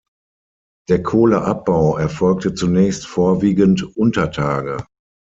Der Kohleabbau erfolgte zunächst vorwiegend unter Tage.